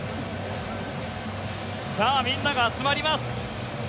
さあ、みんなが集まります。